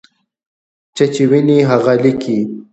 څه چې ویني هغه لیکي.